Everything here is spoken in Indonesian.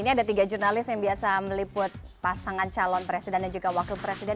ini ada tiga jurnalis yang biasa meliput pasangan calon presiden dan juga wakil presiden